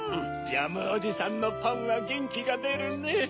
ジャムおじさんのパンはゲンキがでるねぇ。